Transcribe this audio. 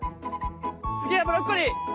次はブロッコリー。